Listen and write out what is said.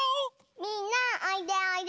みんなおいでおいで！